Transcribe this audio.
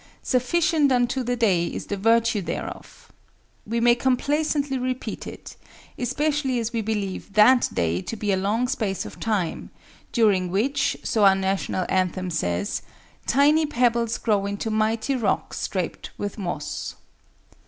Sufficient unto the day is the virtue thereof. We may complacently repeat it, especially as we believe that day to be a long space of time, during which, so our national anthem says, "tiny pebbles grow into mighty rocks draped with moss."